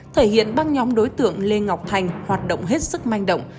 thể hiện băng nhóm đối tượng lê ngọc thành hoạt động hết sức manh động